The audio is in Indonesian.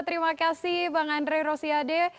terima kasih bang andre rosiade